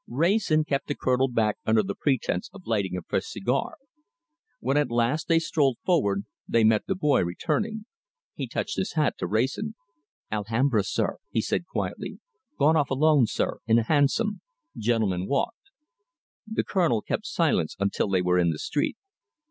Wrayson kept the Colonel back under the pretence of lighting a fresh cigar. When at last they strolled forward, they met the boy returning. He touched his hat to Wrayson. "Alhambra, sir!" he said, quietly. "Gone off alone, sir, in a hansom. Gentleman walked." The Colonel kept silence until they were in the street.